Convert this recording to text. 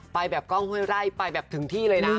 ไปแบบกล้องห้วยไร่ไปแบบถึงที่เลยนะ